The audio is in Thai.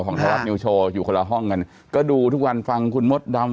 ไทยรัฐนิวโชว์อยู่คนละห้องกันก็ดูทุกวันฟังคุณมดดำ